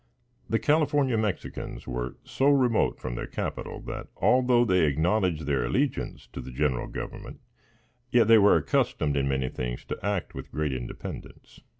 The California Mexicans were so remote from their capital, that, although they acknowledged their allegiance to the general government, yet they were accustomed, in many things, to act with great independence.